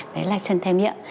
đấy là trần thèm hiệp